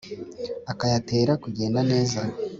akayatera kugenda neza,